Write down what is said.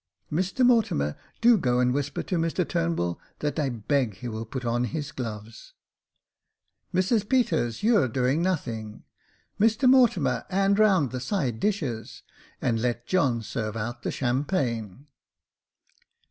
Mr Mortimer, do go and whisper to Mr Turnbull that I beg he will put on his gloves." '" Mrs Peters, you're doing nothing. Mr Mortimer, 'and round the side dishes, and let John serve out the champagne."